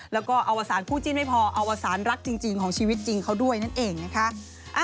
แล้วก็อวสารคู่จิ้นไม่พออวสารรักจริงของชีวิตจริงเขาด้วยนั่นเองนะคะ